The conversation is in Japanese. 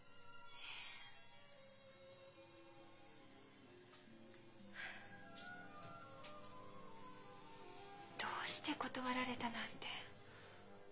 えっ？どうして「断られた」なんて。